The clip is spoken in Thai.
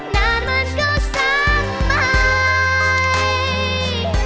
นานมันก็สักใหม่